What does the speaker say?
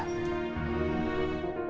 aku gak tau